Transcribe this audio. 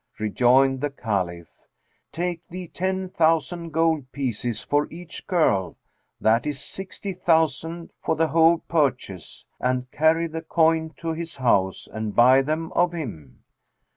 Rejoined the Caliph, "Take thee ten thousand gold pieces for each girl, that is sixty thousand for the whole purchase; and carry the coin to his house and buy them of him."